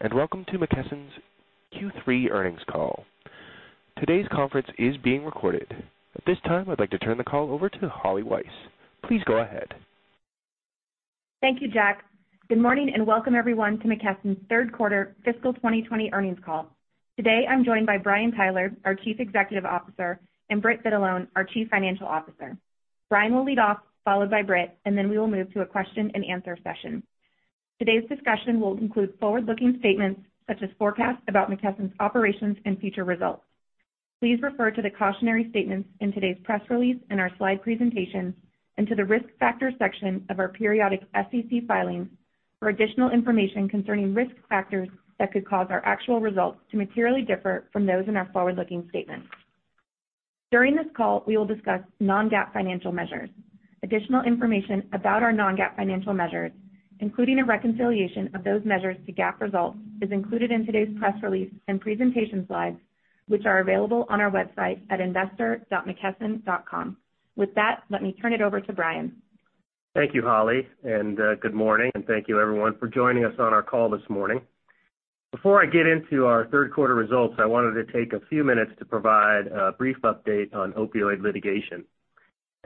Good day. Welcome to McKesson's Q3 earnings call. Today's conference is being recorded. At this time, I'd like to turn the call over to Holly Weiss. Please go ahead. Thank you, Jack. Good morning, and welcome everyone to McKesson's third quarter fiscal 2020 earnings call. Today, I'm joined by Brian Tyler, our Chief Executive Officer, and Britt Vitalone, our Chief Financial Officer. Brian will lead off, followed by Britt, and then we will move to a question and answer session. Today's discussion will include forward-looking statements such as forecasts about McKesson's operations and future results. Please refer to the cautionary statements in today's press release and our slide presentation, and to the risk factors section of our periodic SEC filings for additional information concerning risk factors that could cause our actual results to materially differ from those in our forward-looking statements. During this call, we will discuss non-GAAP financial measures. Additional information about our non-GAAP financial measures, including a reconciliation of those measures to GAAP results, is included in today's press release and presentation slides, which are available on our website at investor.mckesson.com. With that, let me turn it over to Brian. Thank you, Holly, good morning, and thank you everyone for joining us on our call this morning. Before I get into our third quarter results, I wanted to take a few minutes to provide a brief update on opioid litigation.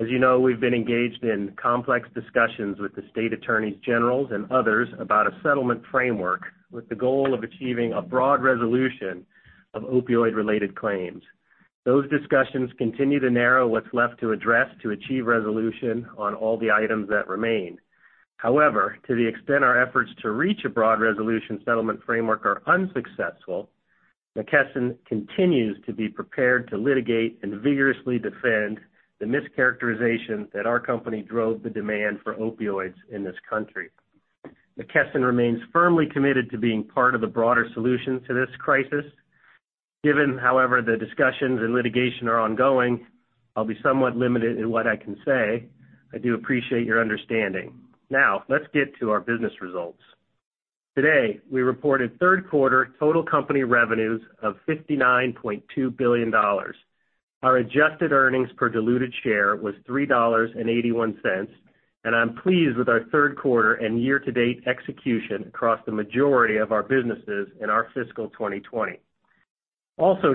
As you know, we've been engaged in complex discussions with the state attorneys general and others about a settlement framework with the goal of achieving a broad resolution of opioid-related claims. Those discussions continue to narrow what's left to address to achieve resolution on all the items that remain. However, to the extent our efforts to reach a broad resolution settlement framework are unsuccessful, McKesson continues to be prepared to litigate and vigorously defend the mischaracterization that our company drove the demand for opioids in this country. McKesson remains firmly committed to being part of the broader solution to this crisis. Given, however, the discussions and litigation are ongoing, I'll be somewhat limited in what I can say. I do appreciate your understanding. Let's get to our business results. Today, we reported third quarter total company revenues of $59.2 billion. Our adjusted earnings per diluted share was $3.81, and I'm pleased with our third quarter and year-to-date execution across the majority of our businesses in our fiscal 2020.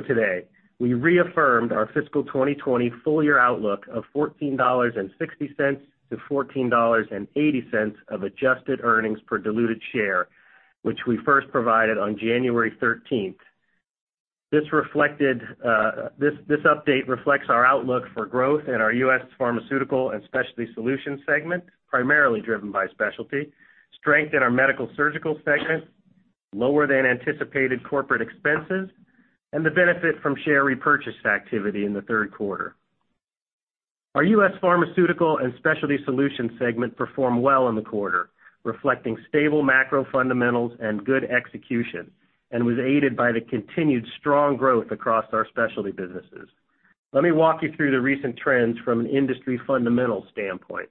Today, we reaffirmed our fiscal 2020 full year outlook of $14.60-$14.80 of adjusted earnings per diluted share, which we first provided on January 13th. This update reflects our outlook for growth in our U.S. Pharmaceutical and Specialty Solutions segment, primarily driven by specialty, strength in our Medical-Surgical Solutions segment, lower than anticipated corporate expenses, and the benefit from share repurchase activity in the third quarter. Our U.S. Pharmaceutical and Specialty Solutions segment performed well in the quarter, reflecting stable macro fundamentals and good execution, and was aided by the continued strong growth across our specialty businesses. Let me walk you through the recent trends from an industry fundamental standpoint.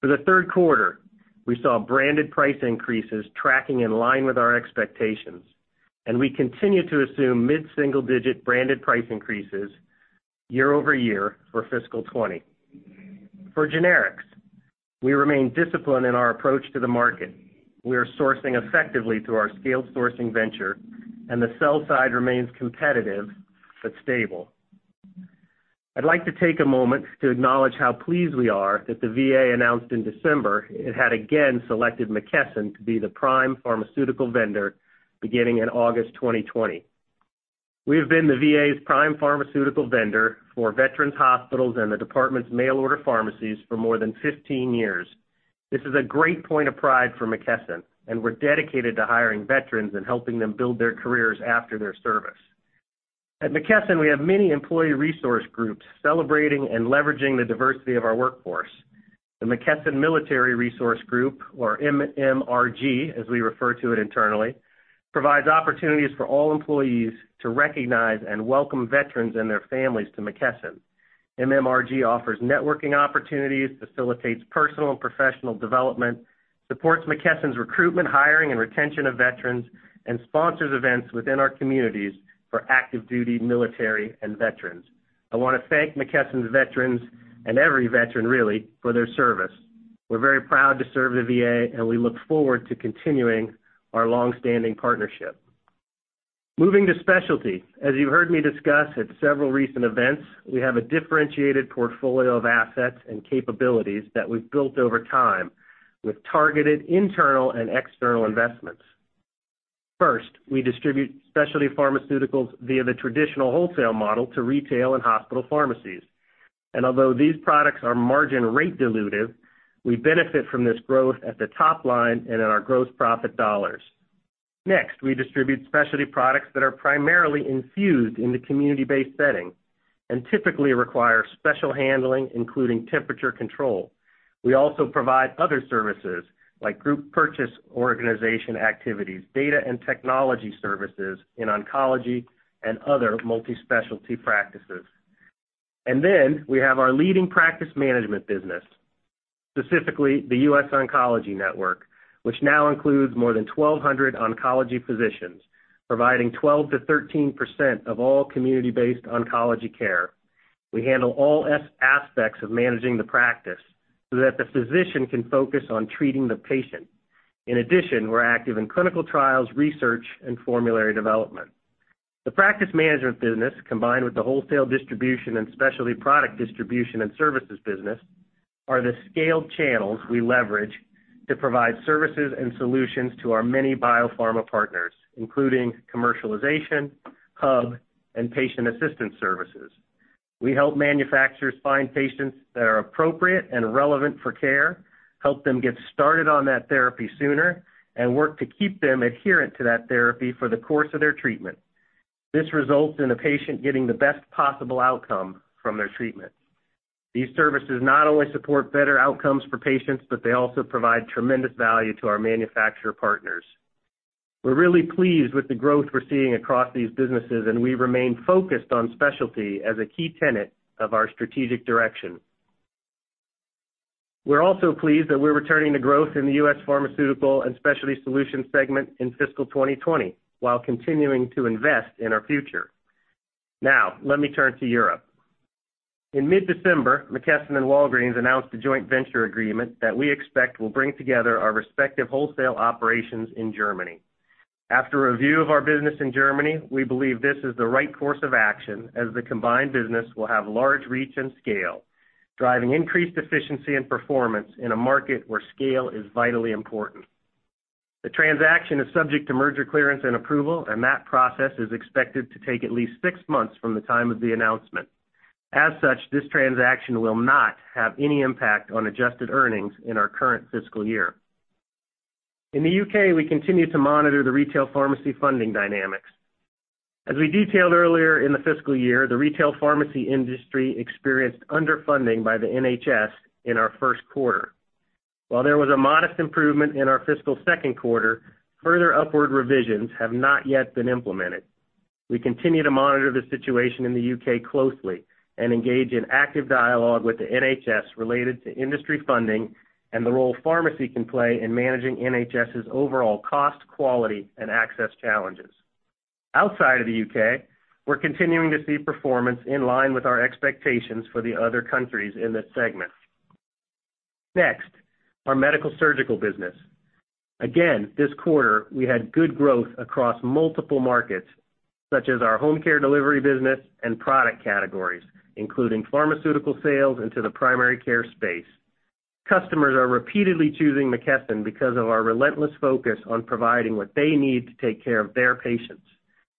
For the third quarter, we saw branded price increases tracking in line with our expectations, and we continue to assume mid-single-digit branded price increases year-over-year for fiscal 2020. For generics, we remain disciplined in our approach to the market. We are sourcing effectively through our scaled sourcing venture, and the sell side remains competitive but stable. I'd like to take a moment to acknowledge how pleased we are that the VA announced in December it had again selected McKesson to be the prime pharmaceutical vendor beginning in August 2020. We have been the VA's prime pharmaceutical vendor for veterans' hospitals and the department's mail-order pharmacies for more than 15 years. This is a great point of pride for McKesson, and we're dedicated to hiring veterans and helping them build their careers after their service. At McKesson, we have many employee resource groups celebrating and leveraging the diversity of our workforce. The McKesson Military Resource Group, or MMRG as we refer to it internally, provides opportunities for all employees to recognize and welcome veterans and their families to McKesson. MMRG offers networking opportunities, facilitates personal and professional development, supports McKesson's recruitment, hiring, and retention of veterans, and sponsors events within our communities for active duty military and veterans. I want to thank McKesson's veterans and every veteran really, for their service. We're very proud to serve the VA and we look forward to continuing our long-standing partnership. Moving to specialty. As you've heard me discuss at several recent events, we have a differentiated portfolio of assets and capabilities that we've built over time with targeted internal and external investments. First, we distribute specialty pharmaceuticals via the traditional wholesale model to retail and hospital pharmacies. Although these products are margin rate dilutive, we benefit from this growth at the top line and in our gross profit dollars. Next, we distribute specialty products that are primarily infused in the community-based setting and typically require special handling, including temperature control. We also provide other services like group purchase organization activities, data and technology services in oncology and other multi-specialty practices. We have our leading practice management business, specifically The US Oncology Network, which now includes more than 1,200 oncology physicians, providing 12%-13% of all community-based oncology care. We handle all aspects of managing the practice so that the physician can focus on treating the patient. In addition, we're active in clinical trials, research, and formulary development. The practice management business, combined with the wholesale distribution and specialty product distribution and services business, are the scaled channels we leverage to provide services and solutions to our many biopharma partners, including commercialization, hub, and patient assistance services. We help manufacturers find patients that are appropriate and relevant for care, help them get started on that therapy sooner, and work to keep them adherent to that therapy for the course of their treatment. This results in the patient getting the best possible outcome from their treatment. These services not only support better outcomes for patients, but they also provide tremendous value to our manufacturer partners. We're really pleased with the growth we're seeing across these businesses, and we remain focused on specialty as a key tenet of our strategic direction. We're also pleased that we're returning to growth in the U.S. Pharmaceutical and Specialty Solutions segment in fiscal 2020, while continuing to invest in our future. Let me turn to Europe. In mid-December, McKesson and Walgreens announced a joint venture agreement that we expect will bring together our respective wholesale operations in Germany. After a review of our business in Germany, we believe this is the right course of action, as the combined business will have large reach and scale, driving increased efficiency and performance in a market where scale is vitally important. The transaction is subject to merger clearance and approval, and that process is expected to take at least six months from the time of the announcement. As such, this transaction will not have any impact on adjusted earnings in our current fiscal year. In the U.K., we continue to monitor the retail pharmacy funding dynamics. As we detailed earlier in the fiscal year, the retail pharmacy industry experienced underfunding by the NHS in our first quarter. While there was a modest improvement in our fiscal second quarter, further upward revisions have not yet been implemented. We continue to monitor the situation in the U.K. closely and engage in active dialogue with the NHS related to industry funding and the role pharmacy can play in managing NHS's overall cost, quality, and access challenges. Outside of the U.K., we're continuing to see performance in line with our expectations for the other countries in this segment. Next, our Medical-Surgical Solutions. Again, this quarter, we had good growth across multiple markets, such as our home care delivery business and product categories, including pharmaceutical sales into the primary care space. Customers are repeatedly choosing McKesson because of our relentless focus on providing what they need to take care of their patients.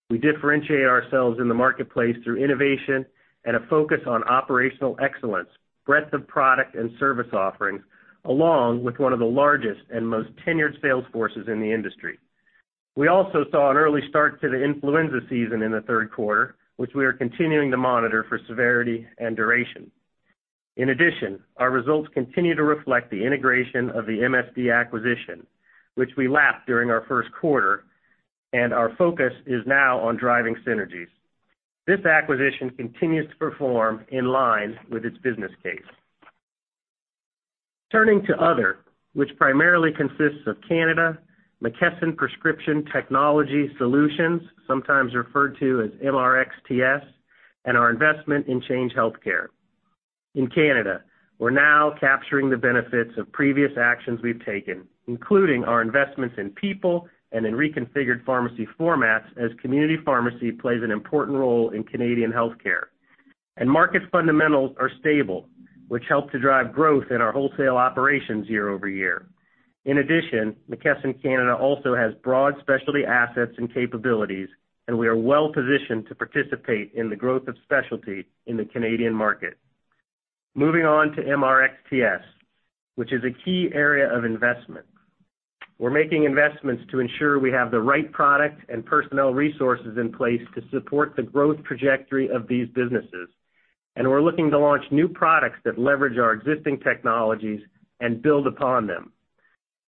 We differentiate ourselves in the marketplace through innovation and a focus on operational excellence, breadth of product and service offerings, along with one of the largest and most tenured sales forces in the industry. We also saw an early start to the influenza season in the third quarter, which we are continuing to monitor for severity and duration. In addition, our results continue to reflect the integration of the MSD acquisition, which we lapped during our first quarter, and our focus is now on driving synergies. This acquisition continues to perform in line with its business case. Turning to other, which primarily consists of Canada, McKesson Prescription Technology Solutions, sometimes referred to as MRXTS, and our investment in Change Healthcare. In Canada, we're now capturing the benefits of previous actions we've taken, including our investments in people and in reconfigured pharmacy formats as community pharmacy plays an important role in Canadian healthcare. Market fundamentals are stable, which help to drive growth in our wholesale operations year-over-year. In addition, McKesson Canada also has broad specialty assets and capabilities, and we are well-positioned to participate in the growth of specialty in the Canadian market. Moving on to MRxTS, which is a key area of investment. We're making investments to ensure we have the right product and personnel resources in place to support the growth trajectory of these businesses. We're looking to launch new products that leverage our existing technologies and build upon them.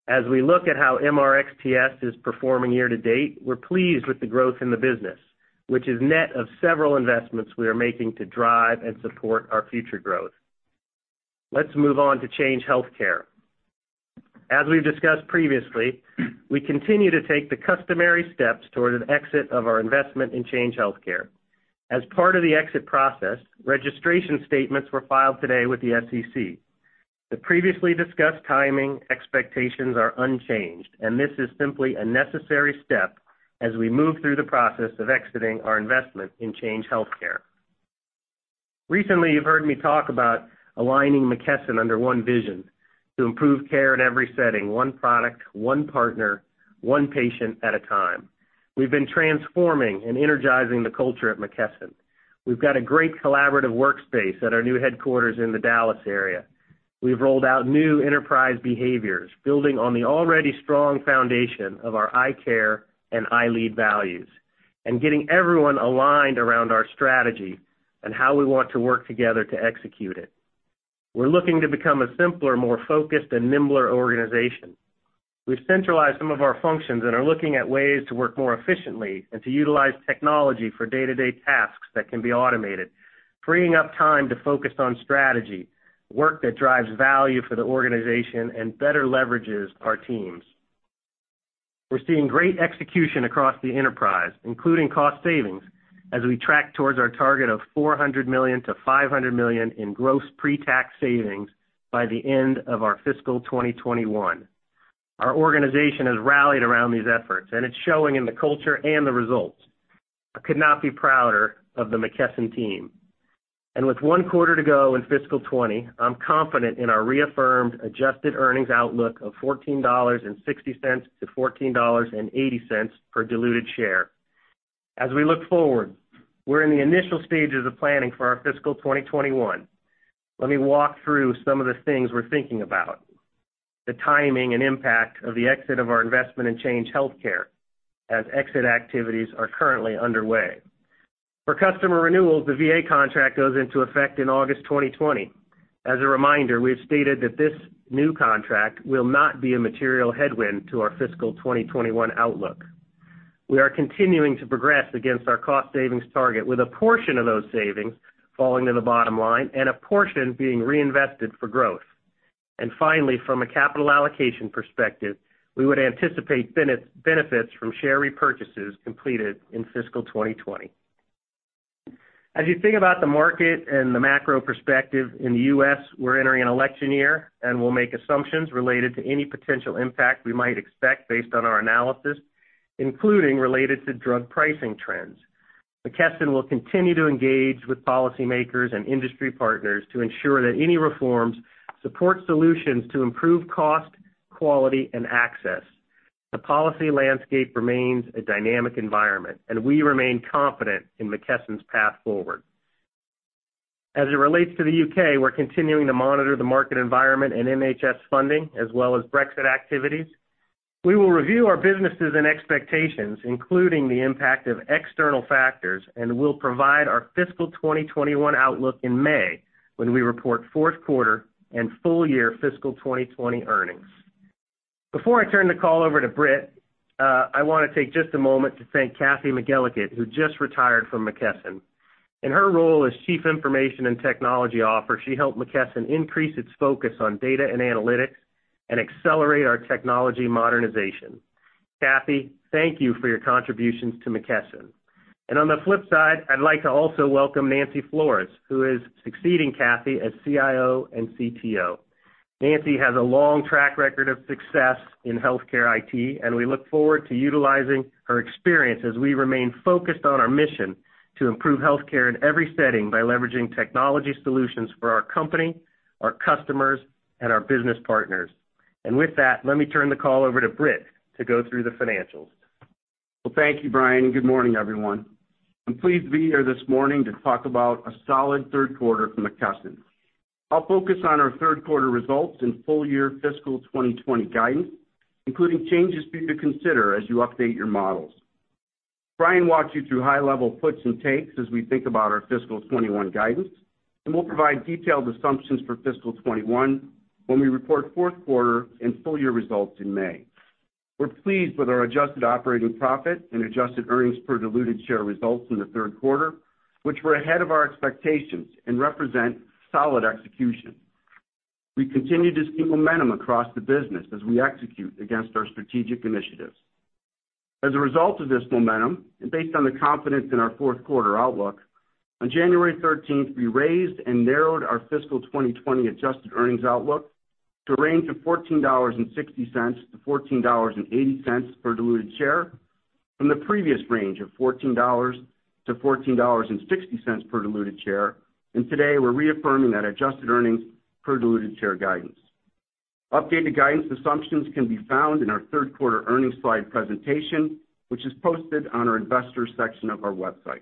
As we look at how MRxTS is performing year to date, we're pleased with the growth in the business, which is net of several investments we are making to drive and support our future growth. Let's move on to Change Healthcare. As we've discussed previously, we continue to take the customary steps toward an exit of our investment in Change Healthcare. As part of the exit process, registration statements were filed today with the SEC. The previously discussed timing expectations are unchanged. This is simply a necessary step as we move through the process of exiting our investment in Change Healthcare. Recently, you've heard me talk about aligning McKesson under one vision to improve care in every setting, one product, one partner, one patient at a time. We've been transforming and energizing the culture at McKesson. We've got a great collaborative workspace at our new headquarters in the Dallas area. We've rolled out new enterprise behaviors, building on the already strong foundation of our ICARE and ILEAD values and getting everyone aligned around our strategy and how we want to work together to execute it. We're looking to become a simpler, more focused, and nimbler organization. We've centralized some of our functions and are looking at ways to work more efficiently and to utilize technology for day-to-day tasks that can be automated, freeing up time to focus on strategy, work that drives value for the organization, and better leverages our teams. We're seeing great execution across the enterprise, including cost savings, as we track towards our target of $400 million-$500 million in gross pre-tax savings by the end of our fiscal 2021. Our organization has rallied around these efforts. It's showing in the culture and the results. I could not be prouder of the McKesson Team. With one quarter to go in fiscal 2020, I'm confident in our reaffirmed adjusted earnings outlook of $14.60-$14.80 per diluted share. As we look forward, we're in the initial stages of planning for our fiscal 2021. Let me walk through some of the things we're thinking about. The timing and impact of the exit of our investment in Change Healthcare, as exit activities are currently underway. For customer renewals, the VA contract goes into effect in August 2020. As a reminder, we have stated that this new contract will not be a material headwind to our fiscal 2021 outlook. We are continuing to progress against our cost savings target with a portion of those savings falling to the bottom line and a portion being reinvested for growth. Finally, from a capital allocation perspective, we would anticipate benefits from share repurchases completed in fiscal 2020. As you think about the market and the macro perspective in the U.S., we're entering an election year, and we'll make assumptions related to any potential impact we might expect based on our analysis, including related to drug pricing trends. McKesson will continue to engage with policymakers and industry partners to ensure that any reforms support solutions to improve cost, quality, and access. The policy landscape remains a dynamic environment. We remain confident in McKesson's path forward. As it relates to the U.K., we're continuing to monitor the market environment and NHS funding, as well as Brexit activities. We will review our businesses and expectations, including the impact of external factors, and will provide our fiscal 2021 outlook in May, when we report fourth quarter and full year fiscal 2020 earnings. Before I turn the call over to Britt, I want to take just a moment to thank Kathy McElligott, who just retired from McKesson. In her role as Chief Information and Technology Officer, she helped McKesson increase its focus on data and analytics and accelerate our technology modernization. Kathy, thank you for your contributions to McKesson. On the flip side, I'd like to also welcome Nancy Flores, who is succeeding Kathy as CIO and CTO. Nancy has a long track record of success in healthcare IT, and we look forward to utilizing her experience as we remain focused on our mission to improve healthcare in every setting by leveraging technology solutions for our company, our customers, and our business partners. With that, let me turn the call over to Britt to go through the financials. Well, thank you, Brian, and good morning, everyone. I'm pleased to be here this morning to talk about a solid third quarter for McKesson. I'll focus on our third quarter results and full year fiscal 2020 guidance, including changes for you to consider as you update your models. Brian walked you through high-level puts and takes as we think about our fiscal 2021 guidance, and we'll provide detailed assumptions for fiscal 2021 when we report fourth quarter and full year results in May. We're pleased with our adjusted operating profit and adjusted earnings per diluted share results in the third quarter, which were ahead of our expectations and represent solid execution. We continue to see momentum across the business as we execute against our strategic initiatives. As a result of this momentum, based on the confidence in our fourth quarter outlook, on January 13th, we raised and narrowed our fiscal 2020 adjusted earnings outlook to a range of $14.60-$14.80 per diluted share from the previous range of $14-$14.60 per diluted share. Today, we're reaffirming that adjusted earnings per diluted share guidance. Updated guidance assumptions can be found in our third quarter earnings slide presentation, which is posted on our investor section of our website.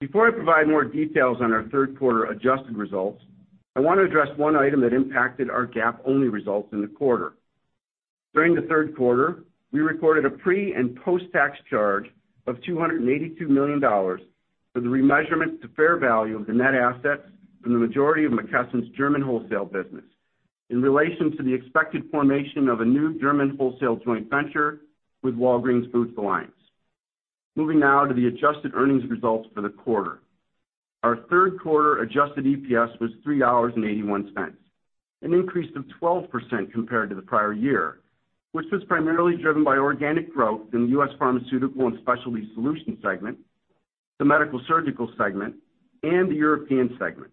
Before I provide more details on our third quarter adjusted results, I want to address one item that impacted our GAAP-only results in the quarter. During the third quarter, we recorded a pre- and post-tax charge of $282 million for the remeasurement to fair value of the net assets from the majority of McKesson's German wholesale business in relation to the expected formation of a new German wholesale joint venture with Walgreens Boots Alliance. Moving now to the adjusted earnings results for the quarter. Our third quarter adjusted EPS was $3.81, an increase of 12% compared to the prior year, which was primarily driven by organic growth in the U.S. Pharmaceutical and Specialty Solutions segment, the Medical-Surgical segment, and the European segment.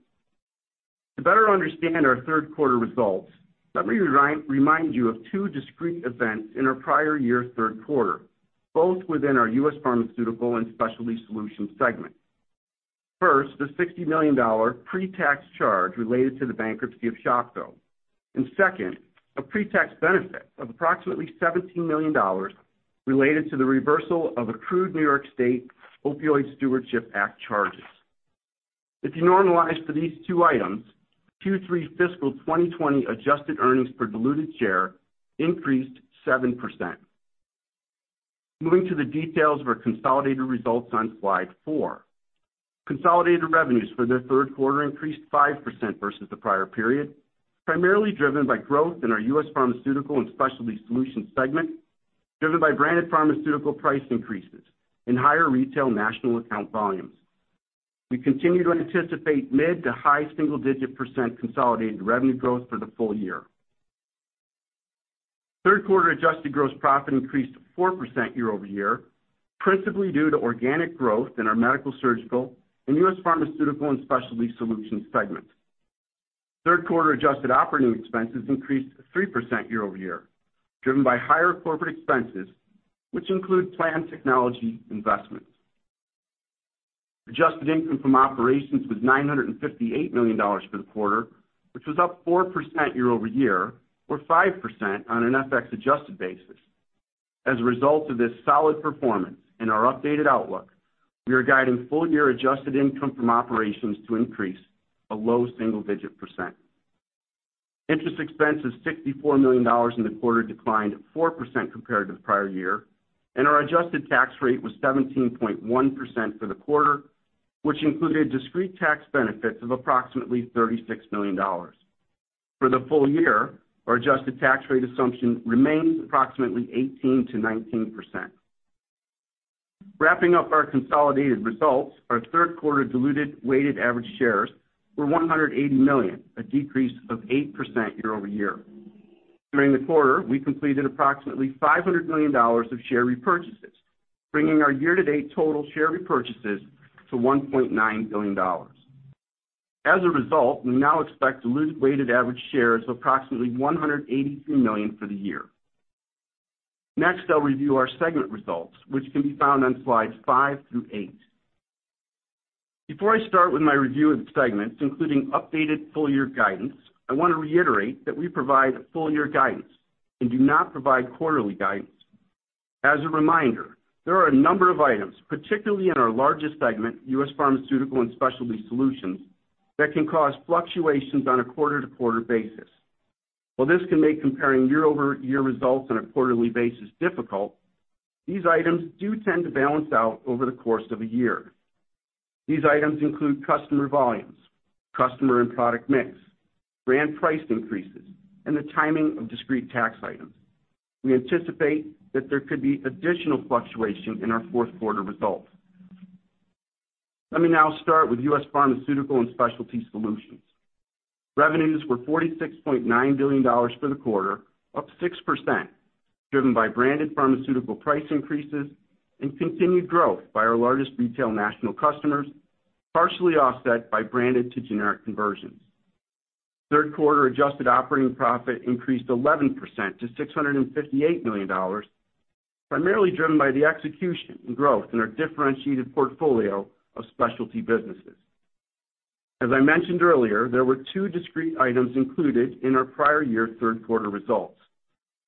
To better understand our third quarter results, let me remind you of two discrete events in our prior year third quarter, both within our U.S. Pharmaceutical and Specialty Solutions segment. First, the $60 million pre-tax charge related to the bankruptcy of Shopko. Second, a pre-tax benefit of approximately $17 million related to the reversal of accrued New York State Opioid Stewardship Act charges. If you normalize for these two items, Q3 fiscal 2020 adjusted earnings per diluted share increased 7%. Moving to the details of our consolidated results on slide four. Consolidated revenues for the third quarter increased 5% versus the prior period, primarily driven by growth in our U.S. Pharmaceutical and Specialty Solutions segment, driven by branded pharmaceutical price increases and higher retail national account volumes. We continue to anticipate mid to high single-digit % consolidated revenue growth for the full year. Third quarter adjusted gross profit increased 4% year-over-year, principally due to organic growth in our Medical-Surgical Solutions and U.S. Pharmaceutical and Specialty Solutions segment. Third quarter adjusted operating expenses increased 3% year-over-year, driven by higher corporate expenses, which include planned technology investments. Adjusted income from operations was $958 million for the quarter, which was up 4% year-over-year, or 5% on an FX adjusted basis. As a result of this solid performance and our updated outlook, we are guiding full year adjusted income from operations to increase a low single-digit percent. Interest expense is $64 million in the quarter, declined 4% compared to the prior year, and our adjusted tax rate was 17.1% for the quarter, which included discrete tax benefits of approximately $36 million. For the full year, our adjusted tax rate assumption remains approximately 18%-19%. Wrapping up our consolidated results, our third quarter diluted weighted average shares were 180 million, a decrease of 8% year-over-year. During the quarter, we completed approximately $500 million of share repurchases, bringing our year-to-date total share repurchases to $1.9 billion. As a result, we now expect diluted weighted average shares of approximately 183 million for the year. Next, I'll review our segment results, which can be found on slides five through eight. Before I start with my review of the segments, including updated full year guidance, I want to reiterate that we provide full year guidance and do not provide quarterly guidance. As a reminder, there are a number of items, particularly in our largest segment, U.S. Pharmaceutical and Specialty Solutions, that can cause fluctuations on a quarter-to-quarter basis. While this can make comparing year-over-year results on a quarterly basis difficult, these items do tend to balance out over the course of a year. These items include customer volumes, customer and product mix, brand price increases, and the timing of discrete tax items. We anticipate that there could be additional fluctuation in our fourth quarter results. Let me now start with U.S. Pharmaceutical and Specialty Solutions. Revenues were $46.9 billion for the quarter, up 6%, driven by branded pharmaceutical price increases and continued growth by our largest retail national customers, partially offset by branded to generic conversions. Third quarter adjusted operating profit increased 11% to $658 million, primarily driven by the execution and growth in our differentiated portfolio of specialty businesses. As I mentioned earlier, there were two discrete items included in our prior year third quarter results: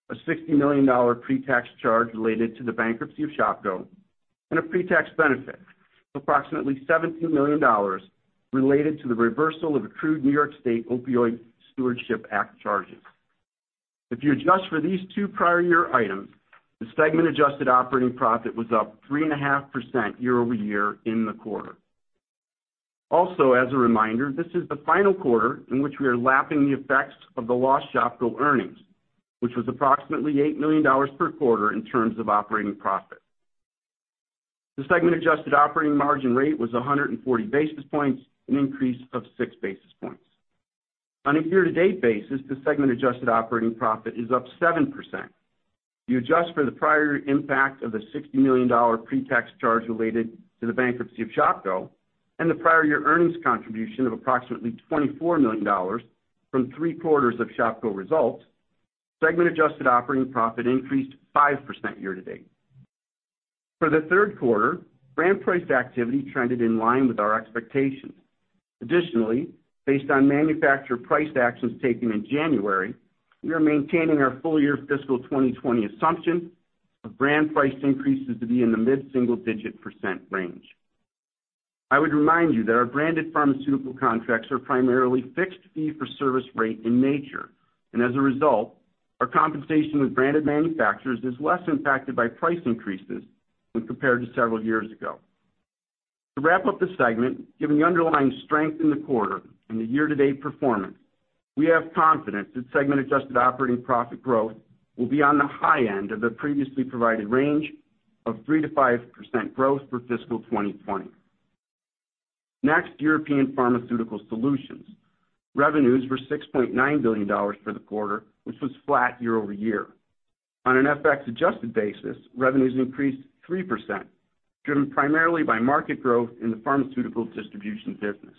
a $60 million pre-tax charge related to the bankruptcy of Shopko, and a pre-tax benefit of approximately $17 million related to the reversal of accrued New York State Opioid Stewardship Act charges. If you adjust for these two prior year items, the segment adjusted operating profit was up 3.5% year-over-year in the quarter. Also, as a reminder, this is the final quarter in which we are lapping the effects of the lost Shopko earnings, which was approximately $8 million per quarter in terms of operating profit. The segment adjusted operating margin rate was 140 basis points, an increase of six basis points. On a year-to-date basis, the segment adjusted operating profit is up 7%. If you adjust for the prior impact of the $60 million pre-tax charge related to the bankruptcy of Shopko and the prior year earnings contribution of approximately $24 million from three quarters of Shopko results, segment adjusted operating profit increased 5% year-to-date. For the third quarter, brand price activity trended in line with our expectations. Additionally, based on manufacturer price actions taken in January, we are maintaining our full year fiscal 2020 assumption of brand price increases to be in the mid-single digit % range. I would remind you that our branded pharmaceutical contracts are primarily fixed fee for service rate in nature, and as a result, our compensation with branded manufacturers is less impacted by price increases when compared to several years ago. To wrap up the segment, given the underlying strength in the quarter and the year-to-date performance, we have confidence that segment adjusted operating profit growth will be on the high end of the previously provided range of 3%-5% growth for fiscal 2020. Next, European Pharmaceutical Solutions. Revenues were $6.9 billion for the quarter, which was flat year-over-year. On an FX adjusted basis, revenues increased 3%, driven primarily by market growth in the pharmaceutical distribution business.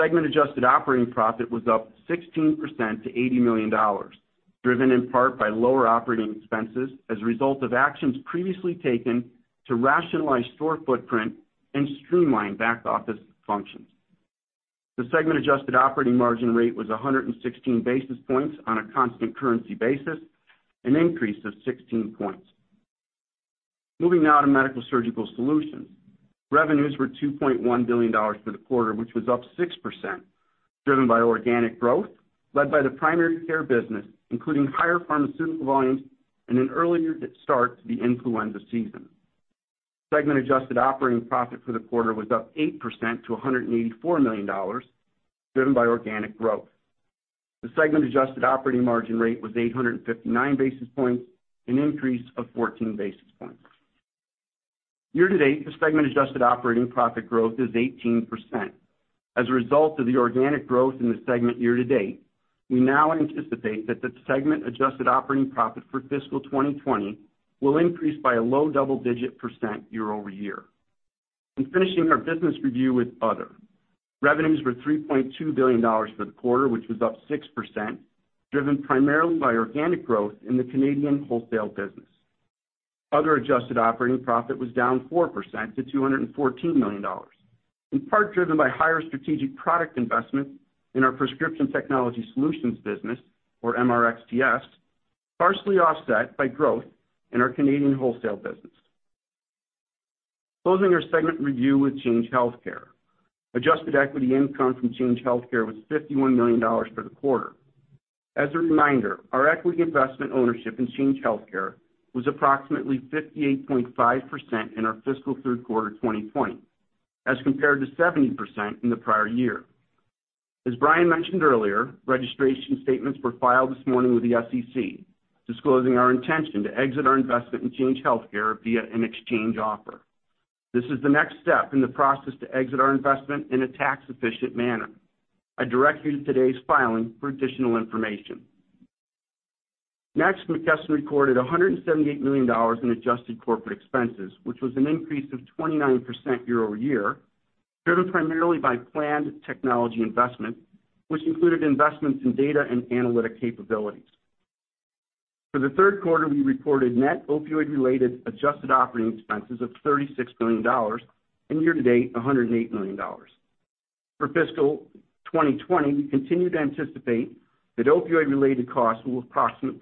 Segment adjusted operating profit was up 16% to $80 million, driven in part by lower operating expenses as a result of actions previously taken to rationalize store footprint and streamline back office functions. The segment adjusted operating margin rate was 116 basis points on a constant currency basis, an increase of 16 points. Moving now to Medical-Surgical Solutions. Revenues were $2.1 billion for the quarter, which was up 6%, driven by organic growth led by the primary care business, including higher pharmaceutical volumes and an earlier start to the influenza season. Segment adjusted operating profit for the quarter was up 8% to $184 million, driven by organic growth. The segment adjusted operating margin rate was 859 basis points, an increase of 14 basis points. Year-to-date, the segment adjusted operating profit growth is 18%. As a result of the organic growth in the segment year-to-date, we now anticipate that the segment adjusted operating profit for fiscal 2020 will increase by a low double-digit % year-over-year. In finishing our business review with Other, revenues were $3.2 billion for the quarter, which was up 6%, driven primarily by organic growth in the Canadian wholesale business. Other adjusted operating profit was down 4% to $214 million, in part driven by higher strategic product investment in our Prescription Technology Solutions business, or MRxTS, partially offset by growth in our Canadian wholesale business. Closing our segment review with Change Healthcare. Adjusted equity income from Change Healthcare was $51 million for the quarter. As a reminder, our equity investment ownership in Change Healthcare was approximately 58.5% in our fiscal third quarter 2020, as compared to 70% in the prior year. As Brian mentioned earlier, registration statements were filed this morning with the SEC, disclosing our intention to exit our investment in Change Healthcare via an exchange offer. This is the next step in the process to exit our investment in a tax-efficient manner. I direct you to today's filing for additional information. Next, McKesson recorded $178 million in adjusted corporate expenses, which was an increase of 29% year-over-year, driven primarily by planned technology investment, which included investments in data and analytic capabilities. For the third quarter, we reported net opioid-related adjusted operating expenses of $36 million, and year-to-date, $108 million. For fiscal 2020, we continue to anticipate that opioid-related costs will approximately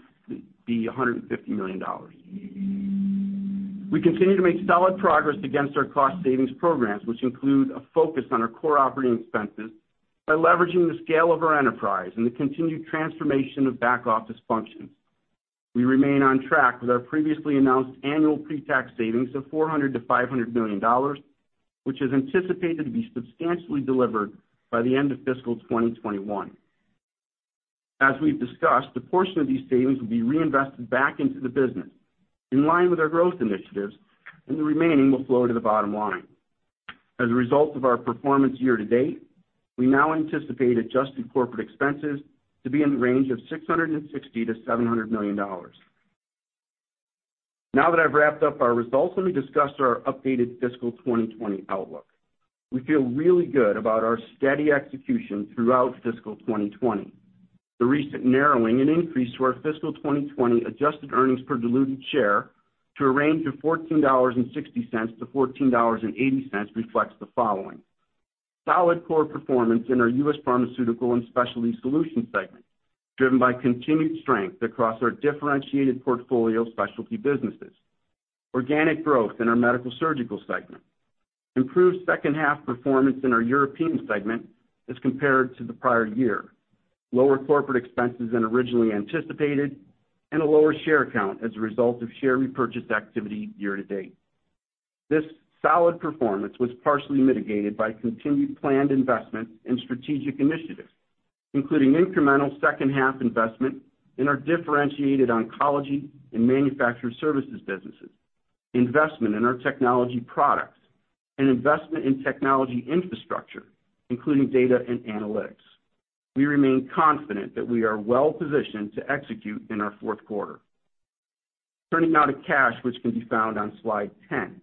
be $150 million. We continue to make solid progress against our cost savings programs, which include a focus on our core operating expenses by leveraging the scale of our enterprise and the continued transformation of back office functions. We remain on track with our previously announced annual pre-tax savings of $400 million-$500 million, which is anticipated to be substantially delivered by the end of fiscal 2021. As we've discussed, a portion of these savings will be reinvested back into the business in line with our growth initiatives, and the remaining will flow to the bottom line. As a result of our performance year-to-date, we now anticipate adjusted corporate expenses to be in the range of $660 million-$700 million. Now that I've wrapped up our results, let me discuss our updated fiscal 2020 outlook. We feel really good about our steady execution throughout fiscal 2020. The recent narrowing and increase to our fiscal 2020 adjusted earnings per diluted share to a range of $14.60-$14.80 reflects the following: Solid core performance in our U.S. Pharmaceutical and Specialty Solutions segment, driven by continued strength across our differentiated portfolio specialty businesses, organic growth in our Medical-Surgical segment, improved second half performance in our European segment as compared to the prior year, lower corporate expenses than originally anticipated, and a lower share count as a result of share repurchase activity year-to-date. This solid performance was partially mitigated by continued planned investment in strategic initiatives, including incremental second half investment in our differentiated oncology and manufactured services businesses, investment in our technology products, and investment in technology infrastructure, including data and analytics. We remain confident that we are well-positioned to execute in our fourth quarter. Turning now to cash, which can be found on slide 10.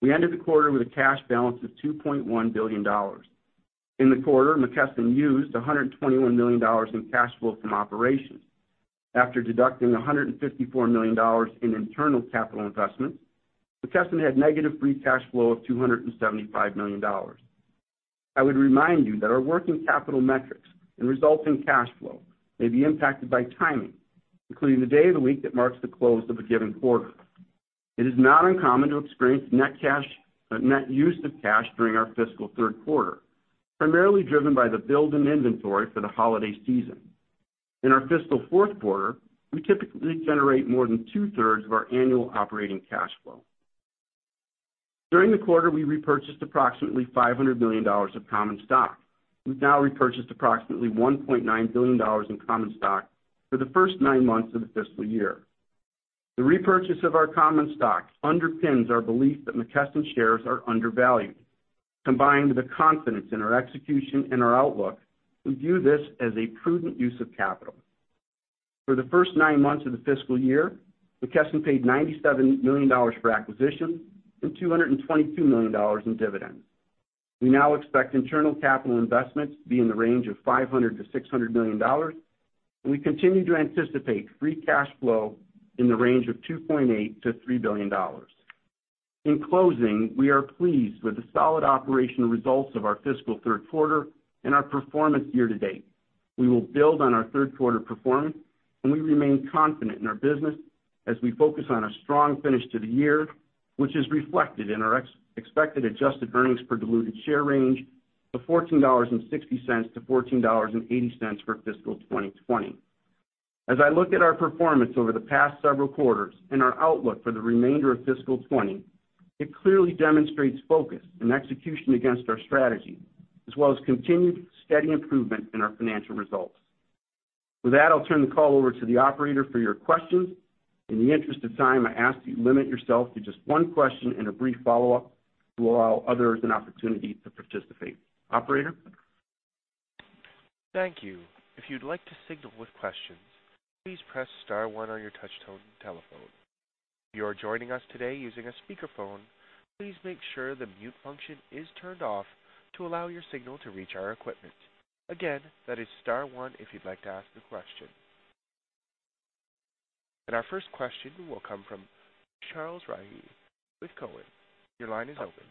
We ended the quarter with a cash balance of $2.1 billion. In the quarter, McKesson used $121 million in cash flow from operations. After deducting $154 million in internal capital investments, McKesson had negative free cash flow of $275 million. I would remind you that our working capital metrics and results in cash flow may be impacted by timing, including the day of the week that marks the close of a given quarter. It is not uncommon to experience net use of cash during our fiscal third quarter, primarily driven by the build in inventory for the holiday season. In our fiscal fourth quarter, we typically generate more than two-thirds of our annual operating cash flow. During the quarter, we repurchased approximately $500 million of common stock. We've now repurchased approximately $1.9 billion in common stock for the first nine months of the fiscal year. The repurchase of our common stock underpins our belief that McKesson shares are undervalued. Combined with the confidence in our execution and our outlook, we view this as a prudent use of capital. For the first nine months of the fiscal year, McKesson paid $97 million for acquisitions and $222 million in dividends. We now expect internal capital investments to be in the range of $500 million-$600 million. We continue to anticipate free cash flow in the range of $2.8 billion-$3 billion. In closing, we are pleased with the solid operational results of our fiscal third quarter and our performance year-to-date. We will build on our third quarter performance, and we remain confident in our business as we focus on a strong finish to the year, which is reflected in our expected adjusted earnings per diluted share range of $14.60-$14.80 for fiscal 2020. As I look at our performance over the past several quarters and our outlook for the remainder of fiscal 2020, it clearly demonstrates focus and execution against our strategy, as well as continued steady improvement in our financial results. With that, I'll turn the call over to the operator for your questions. In the interest of time, I ask that you limit yourself to just one question and a brief follow-up to allow others an opportunity to participate. Operator? Thank you. If you'd like to signal with questions, please press star one on your touch-tone telephone. If you are joining us today using a speakerphone, please make sure the mute function is turned off to allow your signal to reach our equipment. Again, that is star one if you'd like to ask a question. Our first question will come from Charles Rhyee with Cowen. Your line is open.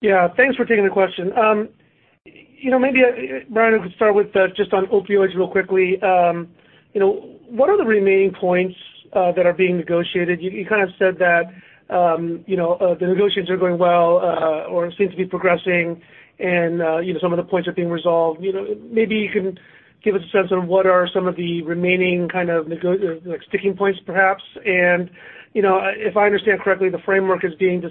Yeah. Thanks for taking the question. Maybe, Brian, I could start with just on opioids real quickly. What are the remaining points that are being negotiated? You kind of said that the negotiations are going well or seem to be progressing and some of the points are being resolved. Maybe you can give us a sense of what are some of the remaining sticking points, perhaps? If I understand correctly, the framework is being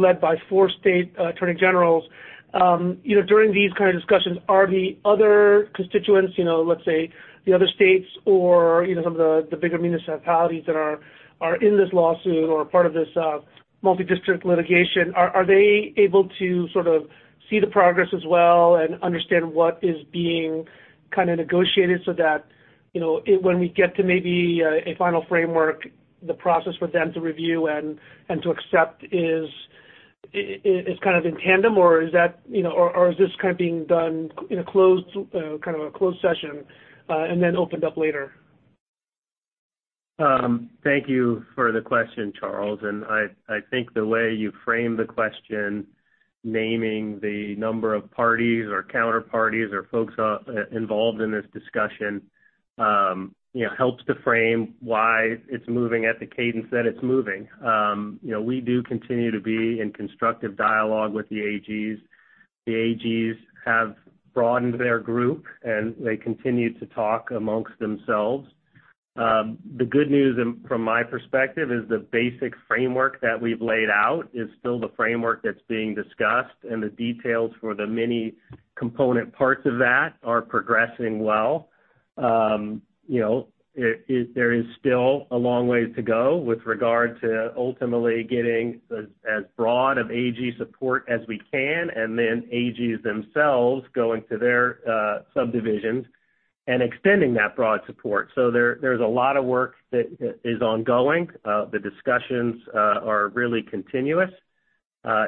led by four state attorney generals. During these kind of discussions, are the other constituents, let's say the other states or some of the bigger municipalities that are in this lawsuit or part of this multi-district litigation, are they able to sort of see the progress as well and understand what is being negotiated so that when we get to maybe a final framework, the process for them to review and to accept is kind of in tandem, or is this being done in a closed session and then opened up later? Thank you for the question, Charles. I think the way you frame the question, naming the number of parties or counterparties or folks involved in this discussion helps to frame why it's moving at the cadence that it's moving. We do continue to be in constructive dialogue with the AGs. The AGs have broadened their group. They continue to talk amongst themselves. The good news, from my perspective, is the basic framework that we've laid out is still the framework that's being discussed. The details for the many component parts of that are progressing well. There is still a long way to go with regard to ultimately getting as broad of AG support as we can. AGs themselves going to their subdivisions and extending that broad support. There's a lot of work that is ongoing. The discussions are really continuous.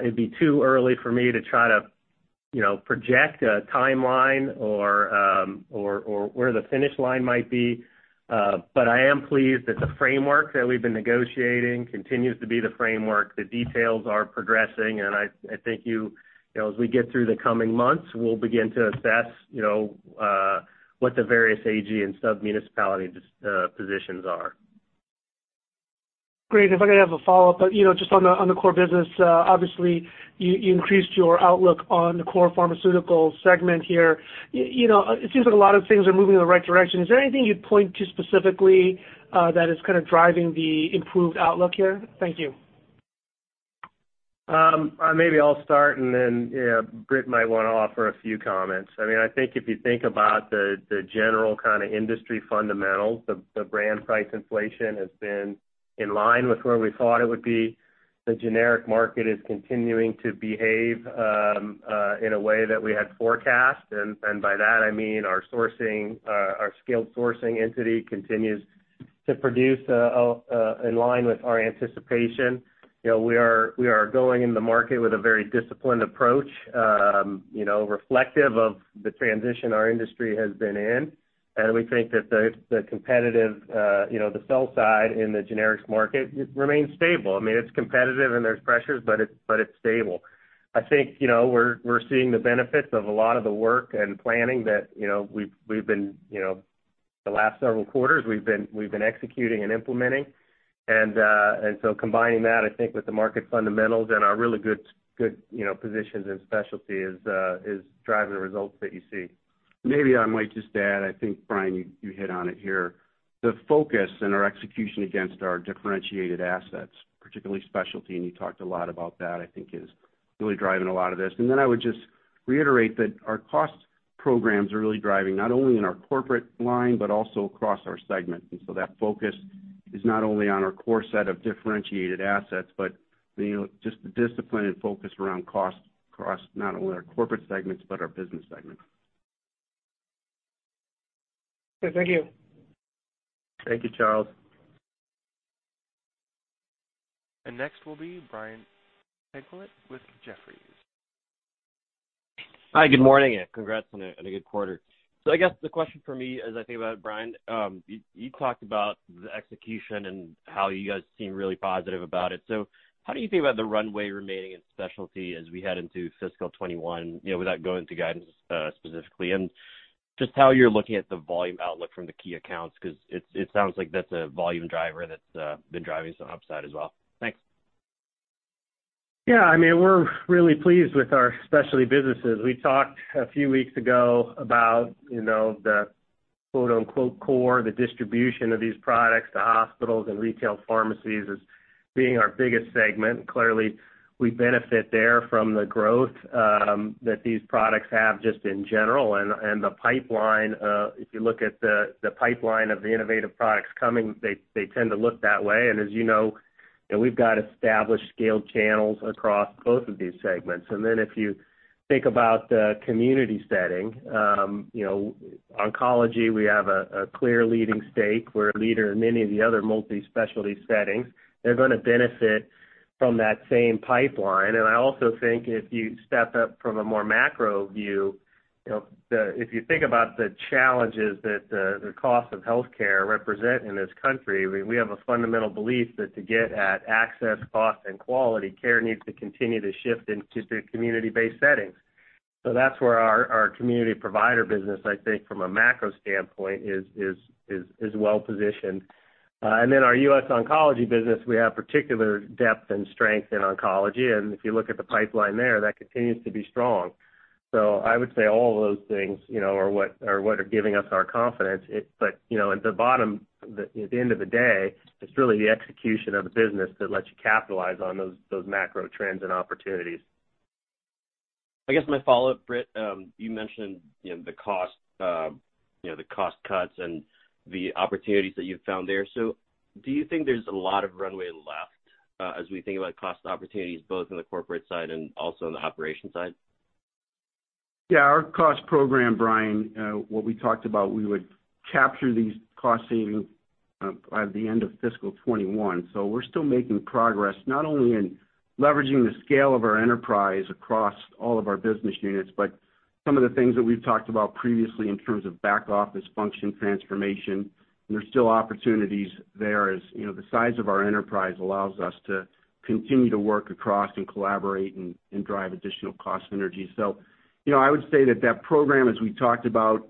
It'd be too early for me to try to project a timeline or where the finish line might be. I am pleased that the framework that we've been negotiating continues to be the framework. The details are progressing, and I think as we get through the coming months, we'll begin to assess what the various AG and sub-municipality positions are. Great. If I could have a follow-up, just on the core business, obviously, you increased your outlook on the core pharmaceutical segment here. It seems like a lot of things are moving in the right direction. Is there anything you'd point to specifically that is kind of driving the improved outlook here? Thank you. Maybe I'll start, and then Britt might want to offer a few comments. I think if you think about the general kind of industry fundamentals, the brand price inflation has been in line with where we thought it would be. The generic market is continuing to behave in a way that we had forecast. By that I mean our skilled sourcing entity continues to produce in line with our anticipation. We are going in the market with a very disciplined approach, reflective of the transition our industry has been in, and we think that the sell side in the generics market remains stable. It's competitive and there's pressures, but it's stable. I think we're seeing the benefits of a lot of the work and planning that the last several quarters we've been executing and implementing. Combining that, I think, with the market fundamentals and our really good positions in Specialty is driving the results that you see. Maybe I might just add, I think, Brian, you hit on it here, the focus and our execution against our differentiated assets, particularly specialty, and you talked a lot about that, I think is really driving a lot of this. I would just reiterate that our cost programs are really driving, not only in our corporate line, but also across our segment. That focus is not only on our core set of differentiated assets, but just the discipline and focus around cost across not only our corporate segments, but our business segments. Okay, thank you. Thank you, Charles. Next will be Brian Tanquilut with Jefferies. Hi, good morning, and congrats on a good quarter. I guess the question from me, as I think about it, Brian, you talked about the execution and how you guys seem really positive about it. How do you think about the runway remaining in specialty as we head into fiscal 2021, without going to guidance specifically? Just how you're looking at the volume outlook from the key accounts, because it sounds like that's a volume driver that's been driving some upside as well. Thanks. Yeah, we're really pleased with our specialty businesses. We talked a few weeks ago about the "core," the distribution of these products to hospitals and retail pharmacies as being our biggest segment. Clearly, we benefit there from the growth that these products have just in general. The pipeline, if you look at the pipeline of the innovative products coming, they tend to look that way. As you know, we've got established scaled channels across both of these segments. If you think about the community setting, oncology, we have a clear leading stake. We're a leader in many of the other multi-specialty settings. They're going to benefit from that same pipeline. I also think if you step up from a more macro view, if you think about the challenges that the cost of healthcare represent in this country, we have a fundamental belief that to get at access, cost, and quality, care needs to continue to shift into community-based settings. That's where our community provider business, I think from a macro standpoint, is well-positioned. Our U.S. Oncology business, we have particular depth and strength in oncology, and if you look at the pipeline there, that continues to be strong. I would say all of those things are what are giving us our confidence. At the bottom, at the end of the day, it's really the execution of the business that lets you capitalize on those macro trends and opportunities. I guess my follow-up, Britt, you mentioned the cost cuts and the opportunities that you've found there. Do you think there's a lot of runway left, as we think about cost opportunities both in the corporate side and also in the operation side? Yeah, our cost program, Brian, what we talked about, we would capture these cost savings by the end of fiscal 2021. We're still making progress, not only in leveraging the scale of our enterprise across all of our business units, but some of the things that we've talked about previously in terms of back office function transformation, there's still opportunities there as the size of our enterprise allows us to continue to work across and collaborate and drive additional cost synergies. I would say that program, as we talked about,